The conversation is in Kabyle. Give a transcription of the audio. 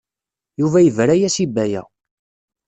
Yuba yebra-as i Baya.